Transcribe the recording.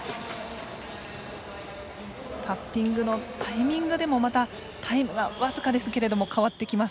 タッピングのタイミングでもまたタイムが僅かですけれども変わってきます